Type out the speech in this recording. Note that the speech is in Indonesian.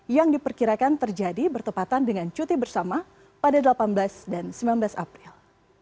yang diperkirakan terjadi bertepatan dengan cuti bersama pada delapan belas dan sembilan belas april